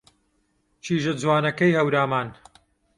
کیژە جوانەکەی هەورامان